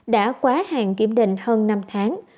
đã quá hàng kiểm định hơn năm tháng